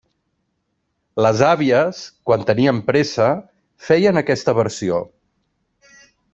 Les àvies, quan tenien pressa, feien aquesta versió.